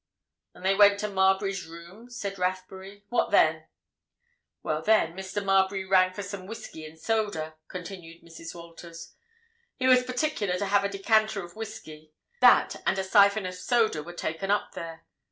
"And they went to Marbury's room?" said Rathbury. "What then?" "Well, then, Mr. Marbury rang for some whiskey and soda," continued Mrs. Walters. "He was particular to have a decanter of whiskey: that, and a syphon of soda were taken up there.